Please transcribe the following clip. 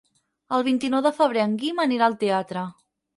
El vint-i-nou de febrer en Guim anirà al teatre.